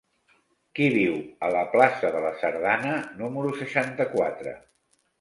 Qui viu a la plaça de la Sardana número seixanta-quatre?